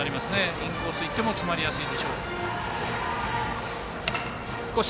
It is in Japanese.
インコースにいっても詰まりやすいでしょう。